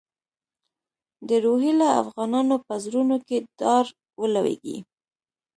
د روهیله افغانانو په زړونو کې ډار ولوېږي.